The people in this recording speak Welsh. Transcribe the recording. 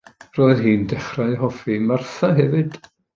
Roedd hi'n dechrau hoffi Martha hefyd.